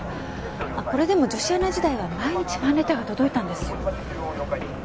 あっこれでも女子アナ時代は毎日ファンレターが届いたんですよ。